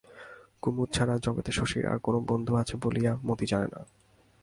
কুমুদ ছাড়া জগতে শশীর আর কোনো বন্ধু আছে বলিয়া মতি জানে না।